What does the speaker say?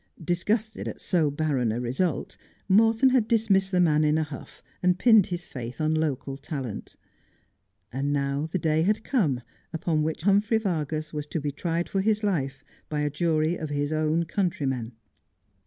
Disgusted at so barren a result Ill the Assize Court. id Morton had dismissed the man in a hnff, and pinned his faith upon local talent. And now the day had come upon which Humphrey Vargas was to be tried for his life by a jury of his own countrymen.